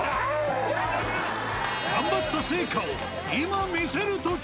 頑張った成果を今見せるとき。